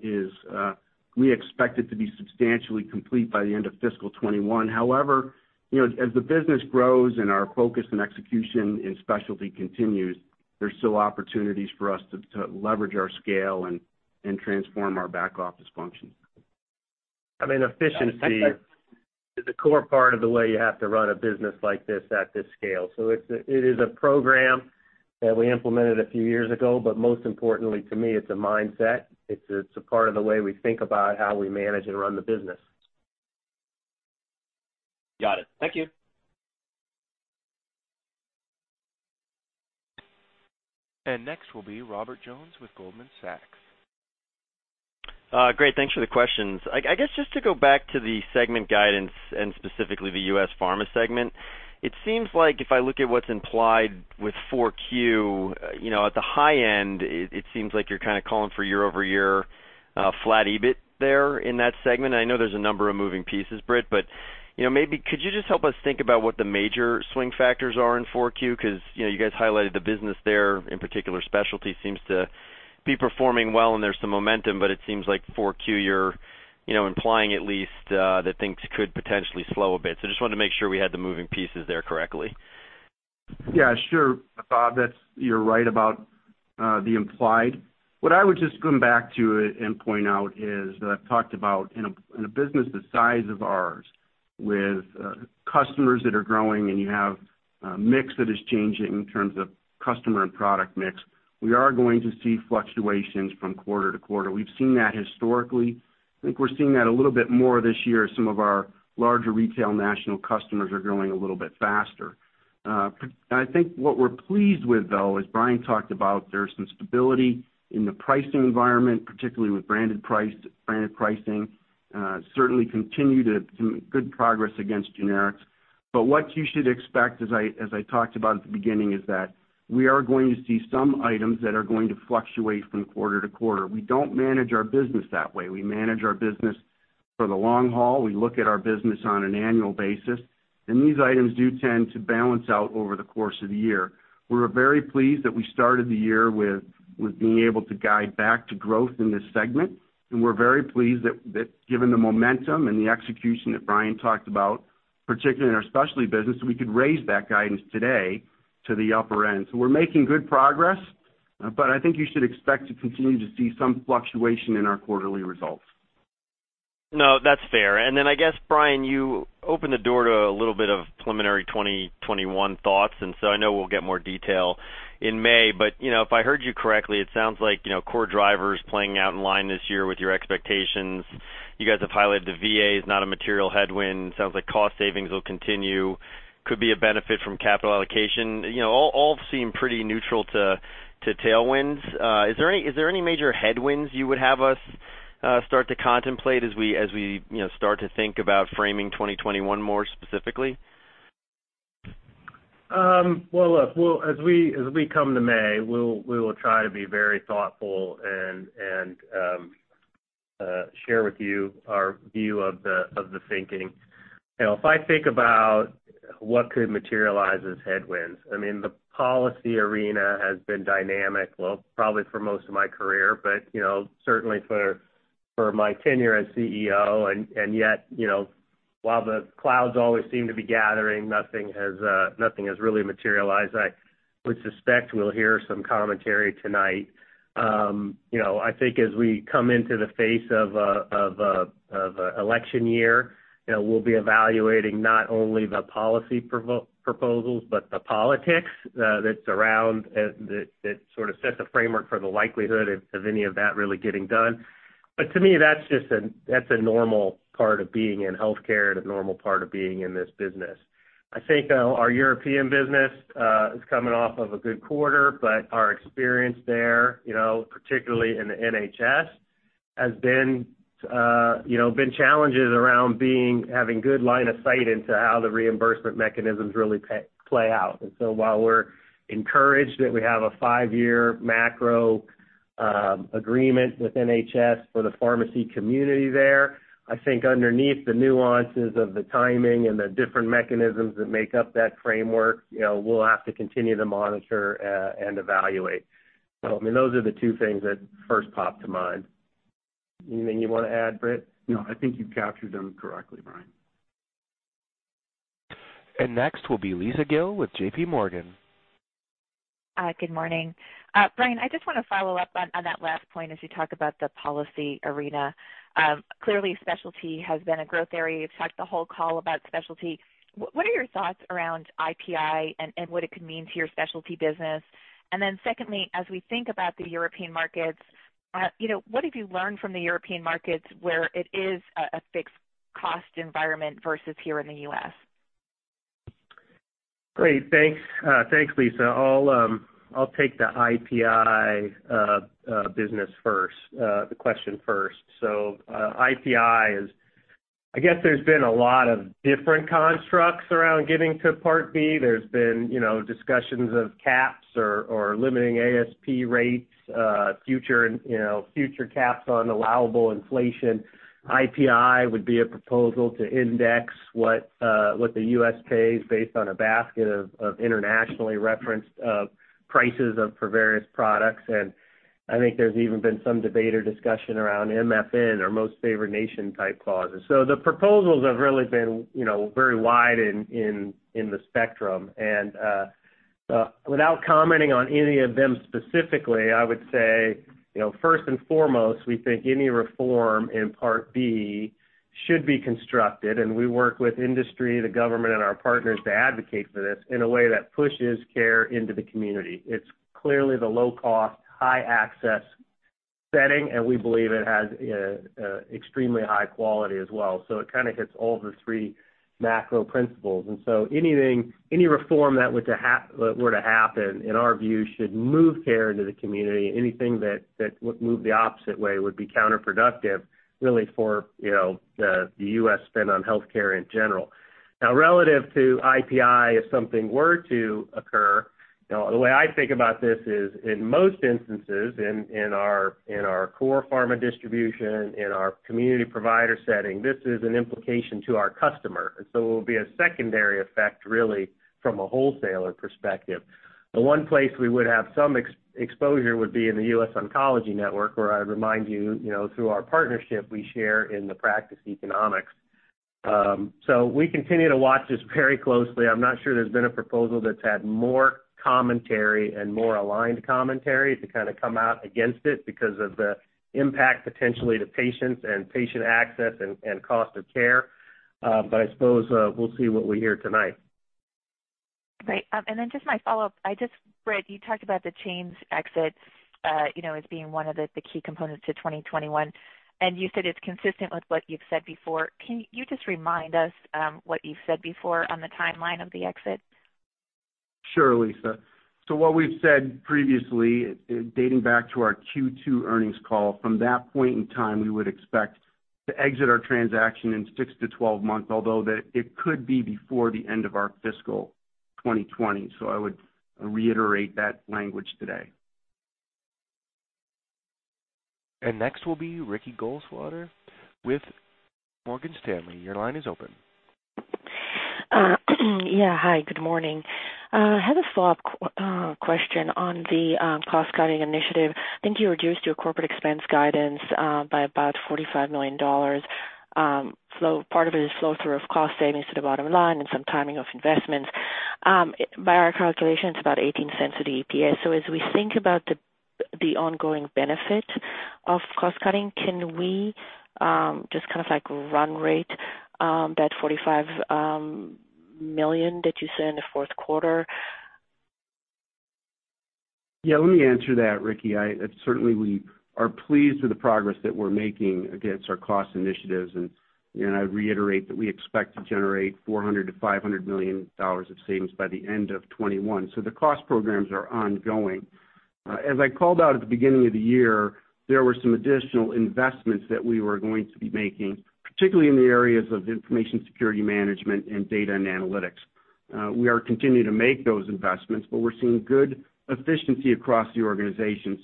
we expect it to be substantially complete by the end of fiscal 2021. However, as the business grows and our focus and execution in specialty continues, there's still opportunities for us to leverage our scale and transform our back office functions. Efficiency is a core part of the way you have to run a business like this at this scale. It is a program that we implemented a few years ago, but most importantly to me, it's a mindset. It's a part of the way we think about how we manage and run the business. Got it. Thank you. Next will be Robert Jones with Goldman Sachs. Great. Thanks for the questions. I guess just to go back to the segment guidance and specifically the U.S. Pharma segment, it seems like if I look at what's implied with 4Q, at the high end, it seems like you're calling for year-over-year flat EBIT there in that segment. I know there's a number of moving pieces, Britt, maybe could you just help us think about what the major swing factors are in 4Q? You guys highlighted the business there, in particular Specialty seems to be performing well and there's some momentum, but it seems like 4Q, you're implying at least that things could potentially slow a bit. Just wanted to make sure we had the moving pieces there correctly. Yeah, sure, Bob, you're right about the implied. What I would just come back to and point out is that I've talked about in a business the size of ours with customers that are growing, and you have a mix that is changing in terms of customer and product mix, we are going to see fluctuations from quarter to quarter. We've seen that historically. I think we're seeing that a little bit more this year as some of our larger retail national customers are growing a little bit faster. I think what we're pleased with, though, as Brian talked about, there's some stability in the pricing environment, particularly with branded pricing. Certainly continue to good progress against generics. What you should expect, as I talked about at the beginning, is that we are going to see some items that are going to fluctuate from quarter to quarter. We don't manage our business that way. We manage our business for the long haul. We look at our business on an annual basis, and these items do tend to balance out over the course of the year. We were very pleased that we started the year with being able to guide back to growth in this segment, and we're very pleased that given the momentum and the execution that Brian talked about, particularly in our specialty business, we could raise that guidance today to the upper end. We're making good progress, but I think you should expect to continue to see some fluctuation in our quarterly results. No, that's fair. I guess, Brian, you opened the door to a little bit of preliminary 2021 thoughts, and so I know we'll get more detail in May, but if I heard you correctly, it sounds like core drivers playing out in line this year with your expectations. You guys have highlighted the VA is not a material headwind. Sounds like cost savings will continue, could be a benefit from capital allocation. All seem pretty neutral to tailwinds. Is there any major headwinds you would have us start to contemplate as we start to think about framing 2021 more specifically? Well, look, as we come to May, we will try to be very thoughtful and share with you our view of the thinking. If I think about what could materialize as headwinds, the policy arena has been dynamic, well, probably for most of my career, but certainly for my tenure as CEO, and yet, while the clouds always seem to be gathering, nothing has really materialized. I would suspect we'll hear some commentary tonight. I think as we come into the face of a election year, we'll be evaluating not only the policy proposals, but the politics that sort of sets a framework for the likelihood of any of that really getting done. To me, that's a normal part of being in healthcare and a normal part of being in this business. I think our European business is coming off of a good quarter. Our experience there, particularly in the NHS, has been challenges around having good line of sight into how the reimbursement mechanisms really play out. While we're encouraged that we have a five-year macro agreement with NHS for the pharmacy community there, I think underneath the nuances of the timing and the different mechanisms that make up that framework, we'll have to continue to monitor and evaluate. I mean, those are the two things that first pop to mind. Anything you want to add, Britt? No, I think you've captured them correctly, Brian. Next will be Lisa Gill with JPMorgan. Good morning. Brian, I just want to follow up on that last point as you talk about the policy arena. Clearly, specialty has been a growth area. You've talked the whole call about specialty. What are your thoughts around IPI and what it could mean to your specialty business? Secondly, as we think about the European markets, what have you learned from the European markets where it is a fixed cost environment versus here in the U.S.? Great. Thanks, Lisa. I'll take the IPI business first, the question first. I guess there's been a lot of different constructs around getting to Part B. There's been discussions of caps or limiting ASP rates, future caps on allowable inflation. IPI would be a proposal to index what the U.S. pays based on a basket of internationally referenced prices for various products. I think there's even been some debate or discussion around MFN or most favored nation type clauses. The proposals have really been very wide in the spectrum. Without commenting on any of them specifically, I would say, first and foremost, we think any reform in Part B should be constructed, and we work with industry, the government, and our partners to advocate for this in a way that pushes care into the community. It's clearly the low cost, high access setting, and we believe it has extremely high quality as well. It kind of hits all the three macro principles. Any reform that were to happen, in our view, should move care into the community. Anything that would move the opposite way would be counterproductive, really for the U.S. spend on healthcare in general. Now, relative to IPI, if something were to occur, the way I think about this is, in most instances, in our core pharma distribution, in our community provider setting, this is an implication to our customer. It will be a secondary effect, really, from a wholesaler perspective. The one place we would have some exposure would be in The US Oncology Network, where I remind you, through our partnership, we share in the practice economics. We continue to watch this very closely. I'm not sure there's been a proposal that's had more commentary and more aligned commentary to kind of come out against it because of the impact potentially to patients and patient access and cost of care. I suppose, we'll see what we hear tonight. Right. Just my follow-up, Britt, you talked about the chains exit, as being one of the key components to 2021, and you said it's consistent with what you've said before. Can you just remind us what you've said before on the timeline of the exit? Sure, Lisa. What we've said previously, dating back to our Q2 earnings call, from that point in time, we would expect to exit our transaction in six-12 months, although it could be before the end of our fiscal 2020. I would reiterate that language today. Next will be Ricky Goldwasser with Morgan Stanley. Your line is open. Yeah. Hi, good morning. I have a follow-up question on the cost-cutting initiative. I think you reduced your corporate expense guidance by about $45 million. Part of it is flow-through of cost savings to the bottom line and some timing of investments. By our calculation, it's about $0.18 to the EPS. As we think about the ongoing benefit of cost cutting, can we just kind of like run rate that $45 million that you said in the fourth quarter? Yeah, let me answer that, Ricky. Certainly, we are pleased with the progress that we're making against our cost initiatives. I reiterate that we expect to generate $400 million-$500 million of savings by the end of 2021. The cost programs are ongoing. As I called out at the beginning of the year, there were some additional investments that we were going to be making, particularly in the areas of information security management and data and analytics. We are continuing to make those investments, but we're seeing good efficiency across the organization.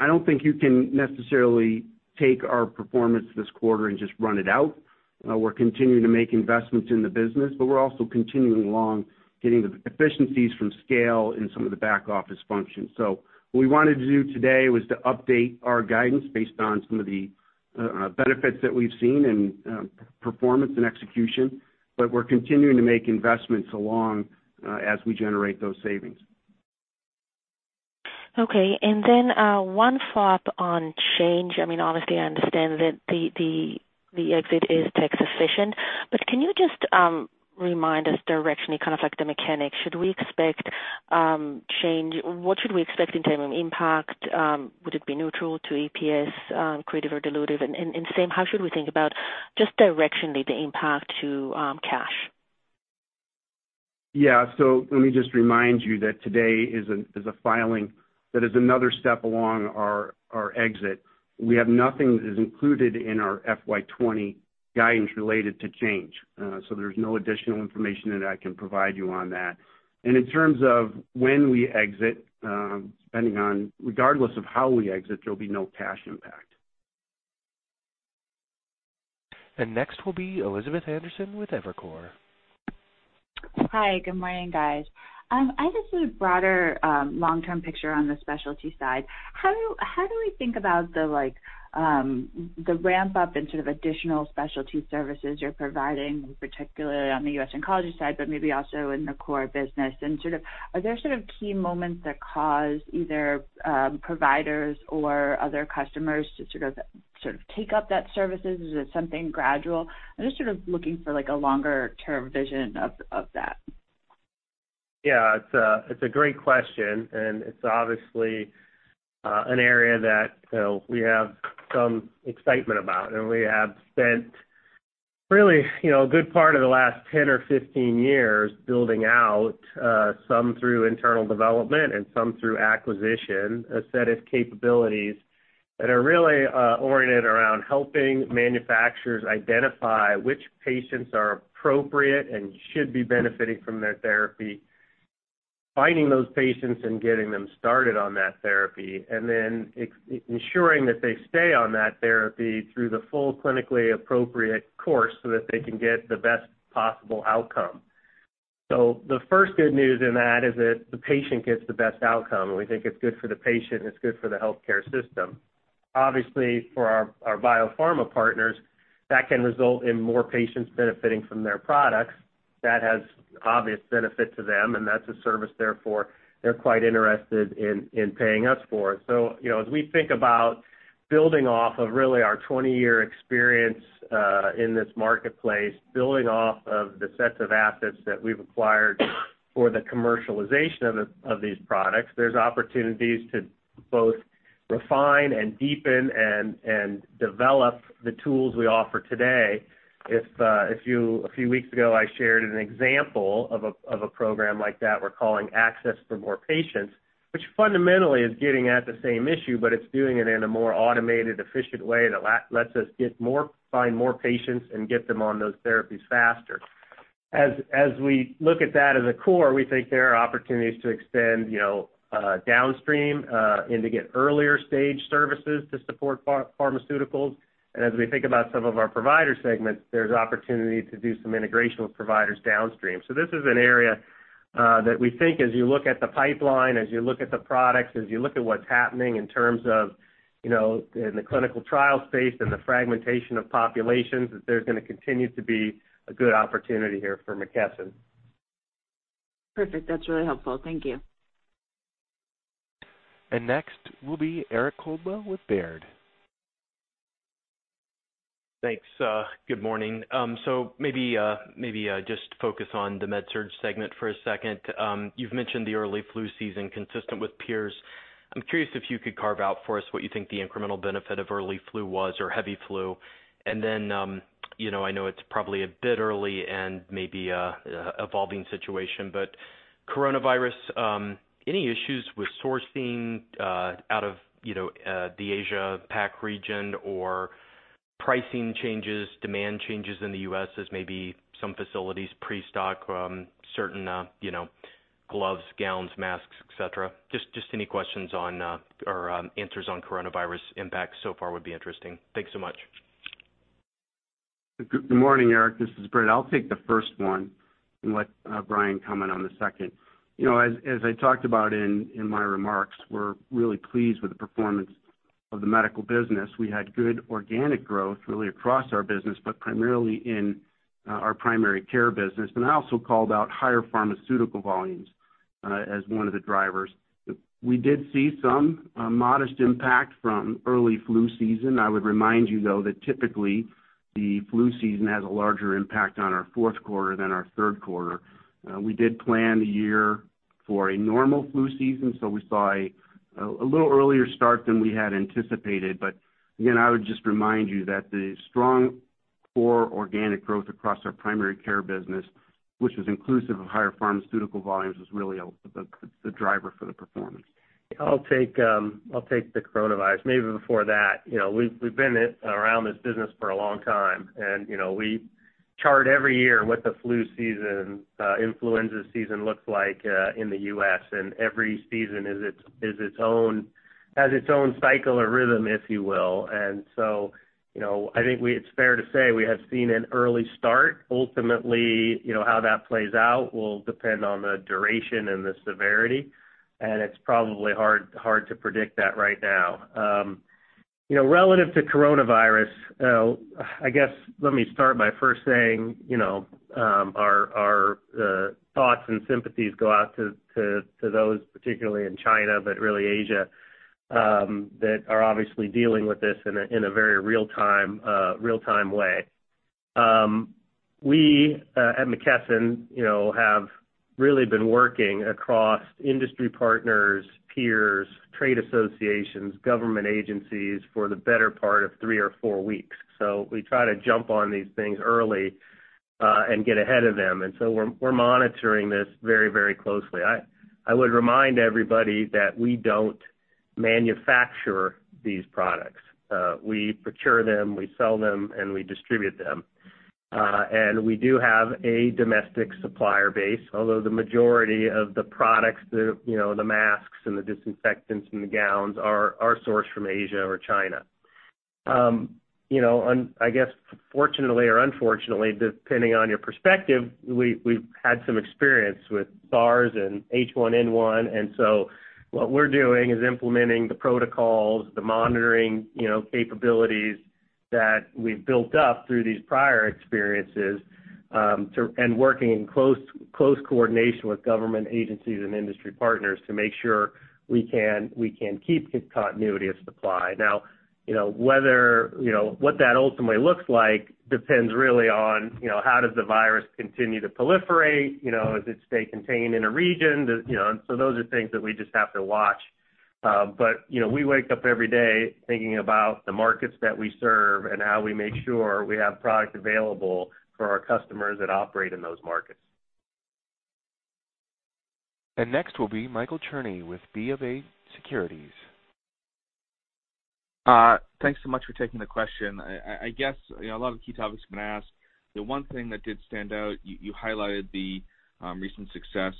I don't think you can necessarily take our performance this quarter and just run it out. We're continuing to make investments in the business, but we're also continuing along, getting the efficiencies from scale in some of the back office functions. What we wanted to do today was to update our guidance based on some of the benefits that we've seen in performance and execution. We're continuing to make investments along, as we generate those savings. Okay. One follow-up on Change. Obviously, I understand that the exit is tax efficient, but can you just remind us directionally, kind of like the mechanics, what should we expect in terms of impact? Would it be neutral to EPS, accretive or dilutive? Same, how should we think about just directionally the impact to cash? Yeah. Let me just remind you that today is a filing that is another step along our exit. We have nothing that is included in our FY 2020 guidance related to Change. There's no additional information that I can provide you on that. In terms of when we exit, regardless of how we exit, there'll be no cash impact. Next will be Elizabeth Anderson with Evercore. Hi, good morning, guys. I just need a broader, long-term picture on the specialty side. How do we think about the ramp-up in sort of additional specialty services you're providing, particularly on the U.S. Oncology side, but maybe also in the core business? Are there sort of key moments that cause either providers or other customers to sort of take up that services? Is it something gradual? I'm just sort of looking for a longer term vision of that. Yeah. It's a great question, and it's obviously an area that we have some excitement about. We have spent really a good part of the last 10 or 15 years building out, some through internal development and some through acquisition, a set of capabilities that are really oriented around helping manufacturers identify which patients are appropriate and should be benefiting from their therapy, finding those patients and getting them started on that therapy, and then ensuring that they stay on that therapy through the full clinically appropriate course so that they can get the best possible outcome. The first good news in that is that the patient gets the best outcome, and we think it's good for the patient, and it's good for the healthcare system. Obviously, for our biopharma partners, that can result in more patients benefiting from their products. That has obvious benefit to them, and that's a service therefore they're quite interested in paying us for. As we think about building off of really our 20-year experience in this marketplace, building off of the sets of assets that we've acquired for the commercialization of these products, there's opportunities to both refine and deepen and develop the tools we offer today. A few weeks ago, I shared an example of a program like that we're calling Access for More Patients, which fundamentally is getting at the same issue, but it's doing it in a more automated, efficient way that lets us find more patients and get them on those therapies faster. As we look at that as a core, we think there are opportunities to extend downstream, and to get earlier stage services to support pharmaceuticals. As we think about some of our provider segments, there's opportunity to do some integration with providers downstream. This is an area that we think as you look at the pipeline, as you look at the products, as you look at what's happening in terms of in the clinical trial space and the fragmentation of populations, that there's going to continue to be a good opportunity here for McKesson. Perfect. That's really helpful. Thank you. Next will be Eric Coldwell with Baird. Thanks. Good morning. Maybe just focus on the Medical-Surgical Solutions segment for a second. You've mentioned the early flu season consistent with peers. I'm curious if you could carve out for us what you think the incremental benefit of early flu was, or heavy flu. I know it's probably a bit early and maybe evolving situation, but coronavirus, any issues with sourcing out of the Asia Pac region or pricing changes, demand changes in the U.S. as maybe some facilities pre-stock certain gloves, gowns, masks, et cetera? Just any questions on or answers on coronavirus impact so far would be interesting. Thanks so much. Good morning, Eric. This is Britt. I'll take the first one and let Brian comment on the second. As I talked about in my remarks, we're really pleased with the performance of the medical business. We had good organic growth really across our business, but primarily in our primary care business. I also called out higher pharmaceutical volumes as one of the drivers. We did see some modest impact from early flu season. I would remind you, though, that typically, the flu season has a larger impact on our fourth quarter than our third quarter. We did plan the year for a normal flu season, we saw a little earlier start than we had anticipated. Again, I would just remind you that the strong core organic growth across our primary care business, which was inclusive of higher pharmaceutical volumes, was really the driver for the performance. I'll take the coronavirus. Maybe before that, we've been around this business for a long time, and we chart every year what the flu season, influenza season looks like in the U.S., and every season has its own cycle or rhythm, if you will. I think it's fair to say we have seen an early start. Ultimately, how that plays out will depend on the duration and the severity, and it's probably hard to predict that right now. Relative to coronavirus, I guess let me start by first saying, our thoughts and sympathies go out to those, particularly in China, but really Asia, that are obviously dealing with this in a very real-time way. We at McKesson have really been working across industry partners, peers, trade associations, government agencies for the better part of three or four weeks. We try to jump on these things early, and get ahead of them. We're monitoring this very closely. I would remind everybody that we don't manufacture these products. We procure them, we sell them, and we distribute them. We do have a domestic supplier base, although the majority of the products, the masks and the disinfectants and the gowns are sourced from Asia or China. I guess fortunately or unfortunately, depending on your perspective, we've had some experience with SARS and H1N1, and so what we're doing is implementing the protocols, the monitoring capabilities that we've built up through these prior experiences, and working in close coordination with government agencies and industry partners to make sure we can keep continuity of supply. Now, what that ultimately looks like depends really on how does the virus continue to proliferate? Does it stay contained in a region? Those are things that we just have to watch. We wake up every day thinking about the markets that we serve and how we make sure we have product available for our customers that operate in those markets. Next will be Michael Cherny with BofA Securities. Thanks so much for taking the question. I guess, a lot of the key topics have been asked. The one thing that did stand out, you highlighted the recent success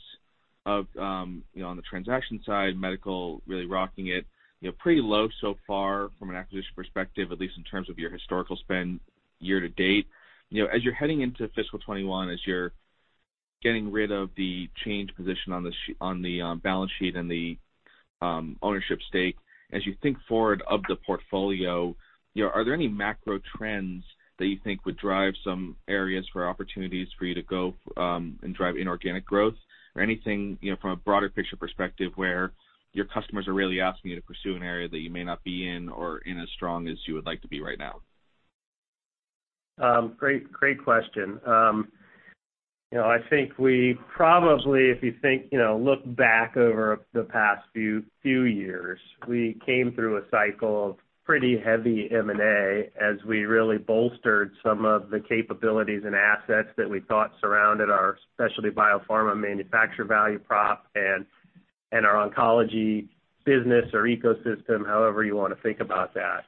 on the transaction side, Medical really rocking it. Pretty low so far from an acquisition perspective, at least in terms of your historical spend year to date. As you're heading into fiscal 2021, as you're getting rid of the Change position on the balance sheet and the ownership stake, as you think forward of the portfolio, are there any macro trends that you think would drive some areas for opportunities for you to go and drive inorganic growth or anything, from a broader picture perspective where your customers are really asking you to pursue an area that you may not be in or in as strong as you would like to be right now? Great question. I think we probably, if you look back over the past few years, we came through a cycle of pretty heavy M&A as we really bolstered some of the capabilities and assets that we thought surrounded our specialty biopharma manufacturer value prop and our oncology business or ecosystem, however you want to think about that.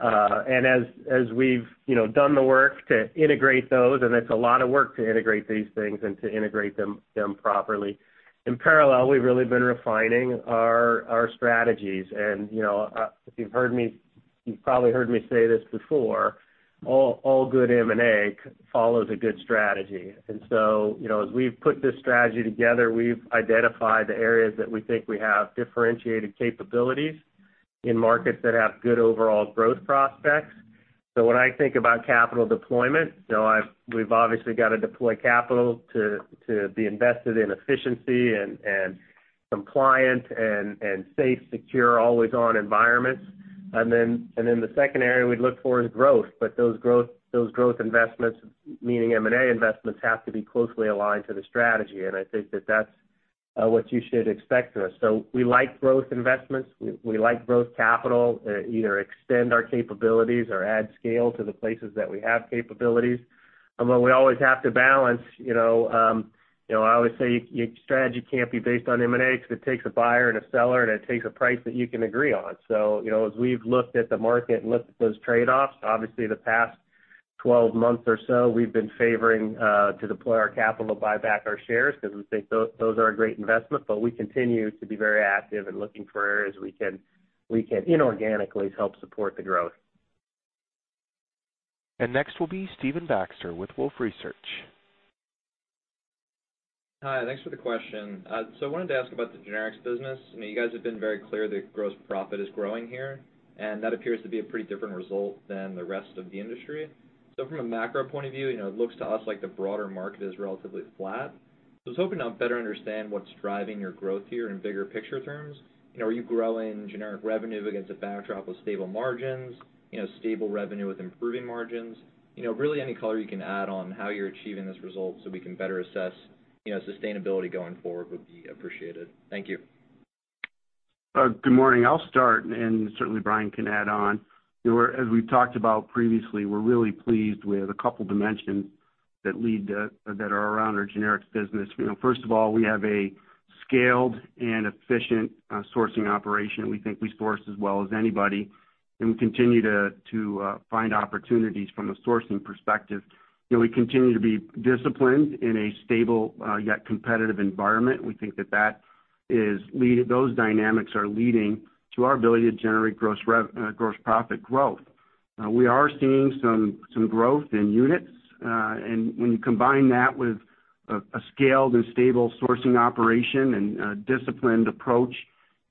As we've done the work to integrate those, and it's a lot of work to integrate these things and to integrate them properly. In parallel, we've really been refining our strategies. You've probably heard me say this before, all good M&A follows a good strategy. As we've put this strategy together, we've identified the areas that we think we have differentiated capabilities in markets that have good overall growth prospects. When I think about capital deployment, we've obviously got to deploy capital to be invested in efficiency and compliant and safe, secure, always on environments. The second area we'd look for is growth. Those growth investments, meaning M&A investments, have to be closely aligned to the strategy. I think that that's what you should expect from us. We like growth investments. We like growth capital to either extend our capabilities or add scale to the places that we have capabilities. When we always have to balance, I always say strategy can't be based on M&A because it takes a buyer and a seller, and it takes a price that you can agree on. As we've looked at the market and looked at those trade-offs, obviously the past 12 months or so, we've been favoring to deploy our capital to buy back our shares because we think those are a great investment. We continue to be very active in looking for areas we can inorganically help support the growth. Next will be Stephen Baxter with Wolfe Research. Hi, thanks for the question. I wanted to ask about the generics business. You guys have been very clear that gross profit is growing here, and that appears to be a pretty different result than the rest of the industry. From a macro point of view, it looks to us like the broader market is relatively flat. I was hoping to better understand what's driving your growth here in bigger picture terms. Are you growing generic revenue against a backdrop of stable margins, stable revenue with improving margins? Really any color you can add on how you're achieving this result so we can better assess sustainability going forward would be appreciated. Thank you. Good morning. I'll start, and certainly Brian can add on. As we've talked about previously, we're really pleased with a couple dimensions that are around our generics business. First of all, we have a Scaled and efficient sourcing operation. We think we source as well as anybody, and we continue to find opportunities from a sourcing perspective. We continue to be disciplined in a stable, yet competitive environment. We think that those dynamics are leading to our ability to generate gross profit growth. We are seeing some growth in units, and when you combine that with a scaled and stable sourcing operation and a disciplined approach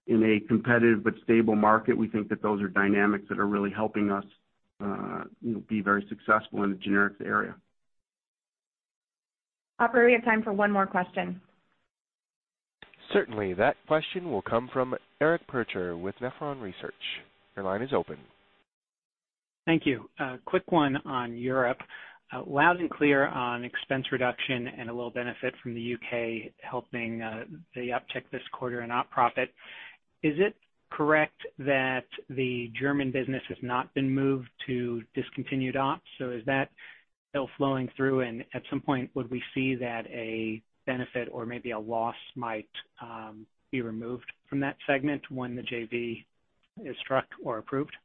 in a competitive but stable market, we think that those are dynamics that are really helping us be very successful in the generics area. Operator, we have time for one more question. Certainly. That question will come from Eric Percher with Nephron Research. Your line is open. Thank you. A quick one on Europe. Loud and clear on expense reduction and a little benefit from the U.K. helping the uptick this quarter in op profit. Is it correct that the German business has not been moved to discontinued ops? Is that still flowing through and at some point, would we see that a benefit or maybe a loss might be removed from that segment when the JV is struck or approved?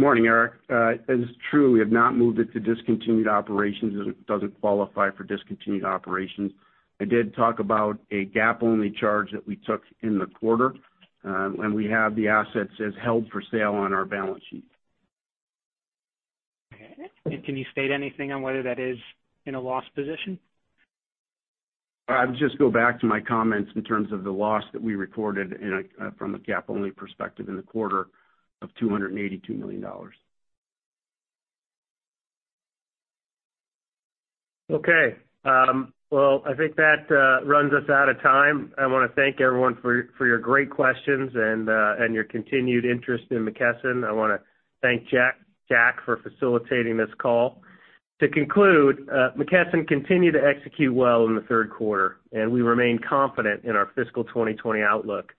Morning, Eric. It is true, we have not moved it to discontinued operations, as it doesn't qualify for discontinued operations. I did talk about a GAAP-only charge that we took in the quarter, and we have the assets as held for sale on our balance sheet. Okay. Can you state anything on whether that is in a loss position? I would just go back to my comments in terms of the loss that we recorded from a GAAP-only perspective in the quarter of $282 million. Okay. Well, I think that runs us out of time. I want to thank everyone for your great questions and your continued interest in McKesson. I want to thank Jack for facilitating this call. To conclude, McKesson continued to execute well in the third quarter, and we remain confident in our fiscal 2020 outlook.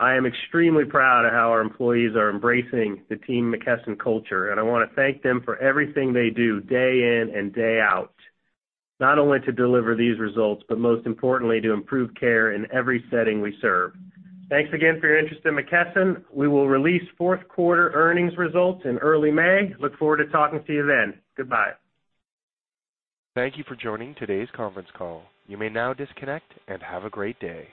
I am extremely proud of how our employees are embracing the Team McKesson culture, and I want to thank them for everything they do day in and day out. Not only to deliver these results, but most importantly, to improve care in every setting we serve. Thanks again for your interest in McKesson. We will release fourth quarter earnings results in early May. Look forward to talking to you then. Goodbye. Thank you for joining today's conference call. You may now disconnect and have a great day.